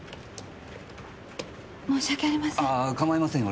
申し訳ありません。